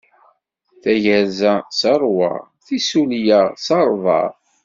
Tayerza s ṛṛwa, tissulya s ṛṛḍa.